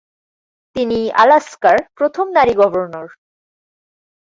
তিনি আলাস্কার প্রথম নারী গভর্নর।